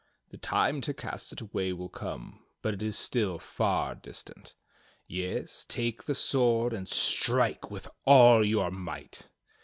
"The time to cast it away will come, but it is still far distant. Yes, take the sword and strike with all your might."